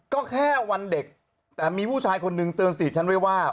ก็แค่วันเด็กแต่มีผู้ชายคนนึงเตือนสิทธิ์ฉันไว้ว่า